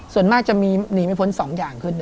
ส่วนมากจะหนีไม่พ้น๒อย่างขึ้น